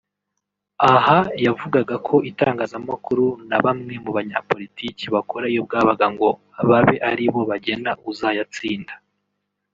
Aha yavugaga ko itangazamakuru na bamwe mu banyapolitiki bakora iyo bwabaga ngo babe ari bo bagena uzayatsinda